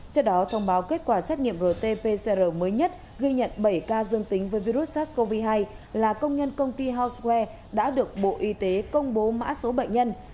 trước đó thông báo kết quả xét nghiệm rt pcr mới nhất ghi nhận bảy ca dương tính với virus sars cov hai là công nhân công ty hous sware đã được bộ y tế công bố mã số bệnh nhân